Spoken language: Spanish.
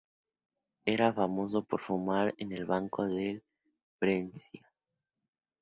Era famoso por fumar en el banco del Brescia.